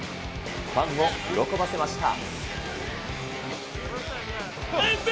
ファンを喜ばせました。